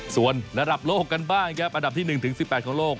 ส่วนระดับโลกกันบ้างครับอันดับที่๑ถึง๑๘ของโลก